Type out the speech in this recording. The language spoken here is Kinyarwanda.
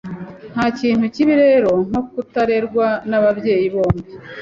Nta kintu kibi rero nko kutarerwa n’ababyeyi bombi.